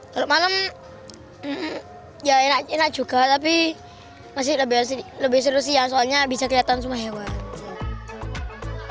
kalau malam ya enak juga tapi masih lebih seru sih ya soalnya bisa kelihatan semua hewan